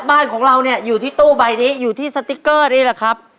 บ้านของเราเนี่ยอยู่ที่ตู้ใบนี้อยู่ที่สติ๊กเกอร์นี่แหละครับ